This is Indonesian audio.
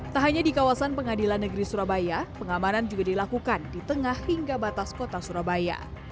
tak hanya di kawasan pengadilan negeri surabaya pengamanan juga dilakukan di tengah hingga batas kota surabaya